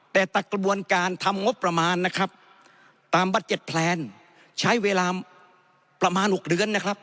แต่ตักระบวนการทำมีงบประมาณตามปัจเจ็ตแพลนใช้เวลาประมาณ๖เดือน